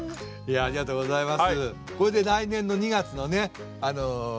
ありがとうございます。